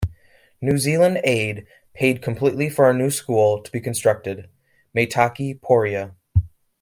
New Zealand Aid paid completely for a new school to be constructed, "Meitaki Poria".